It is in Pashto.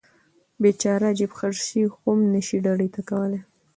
بیچاره جیب خرڅي هم نشي ډډې ته کولی.